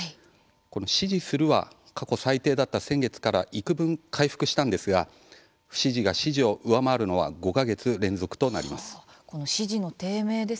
支持するは過去最低だった先月からいくぶん回復したんですが不支持が支持を上回るのは５か月連続となります。